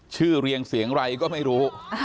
ชื่อเรียงเสียงไร้ก็ไม่รู้